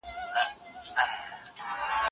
زه اجازه لرم چي سپينکۍ پرېولم.